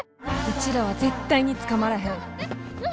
うちらは絶対に捕まらへん。